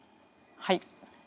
はい。